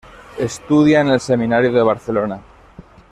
Estudia en el seminario de Barcelona.